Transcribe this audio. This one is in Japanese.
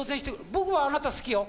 僕はあなた好きよ。